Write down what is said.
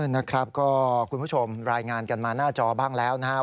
นะครับก็คุณผู้ชมรายงานกันมาหน้าจอบ้างแล้วนะครับ